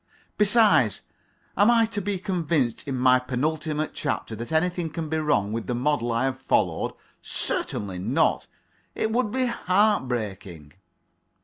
Besides, am I to be convinced in my penultimate chapter that anything can be wrong with the model I have followed? Certainly not. It would be heartbreaking.